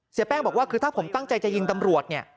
แป้งบอกว่าคือถ้าผมตั้งใจจะยิงตำรวจเนี่ย